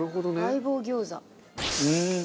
相棒餃子。